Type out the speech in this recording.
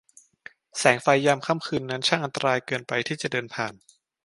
แสงไฟยามค่ำคืนนั้นช่างอันตรายเกินไปที่จะเดินผ่าน